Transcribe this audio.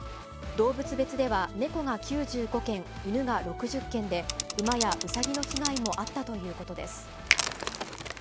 動物別では、猫が９５件、犬が６０件で、馬やうさぎの被害もあったということです。